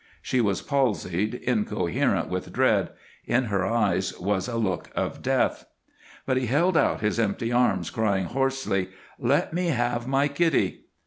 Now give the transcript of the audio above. She was palsied, incoherent with dread; in her eyes was a look of death. But he held out his empty arms, crying, hoarsely, "Let me have my kiddie!"